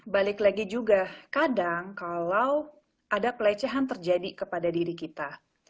balik lagi juga kadang kalau ada pelecehan terjadi kepada diri kita